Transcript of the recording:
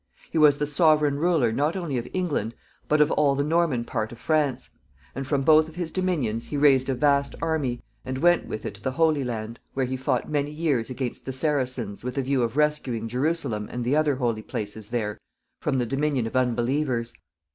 He was the sovereign ruler not only of England, but of all the Norman part of France, and from both of his dominions he raised a vast army, and went with it to the Holy Land, where he fought many years against the Saracens with a view of rescuing Jerusalem and the other holy places there from the dominion of unbelievers.